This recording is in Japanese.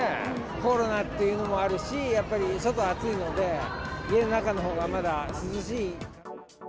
コロナっていうのもあるし、やっぱり、外暑いので、家の中のほうが、まだ涼しい。